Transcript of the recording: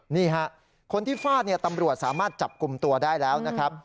นี่ฮะคนที่ฟาดเนี่ยตำรวจสามารถจับกลุ่มตัวได้แล้วนะครับ